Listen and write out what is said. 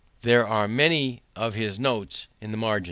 There are many of his notes in the margins.